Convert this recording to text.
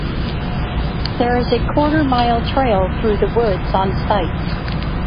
There is a quarter-mile trail through the woods on site.